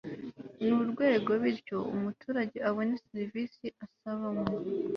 n urwego bityo umuturage abone serivisi asaba mu